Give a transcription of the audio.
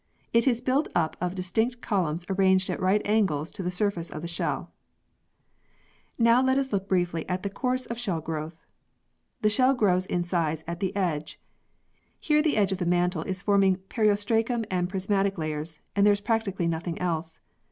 It is built up of distinct columns arranged at right angles to the surface of the shell. Now let us briefly look at the course of shell growth. The shell grows in size at the edge. Here the edge of the mantle is forming periostracum and prismatic layers, and there is practically nothing else.